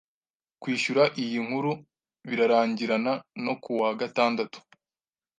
Kwishyura iyi nkuru birarangirana no kuwa gatandatu